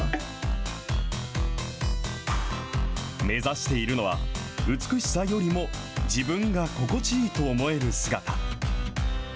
目指しているのは、美しさよりも、自分が心地いいと思える姿。